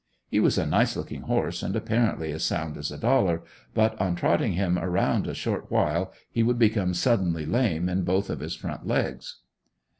He was a nice looking horse and apparently as sound as a dollar; but on trotting him around a short while he would become suddenly lame in both of his front legs.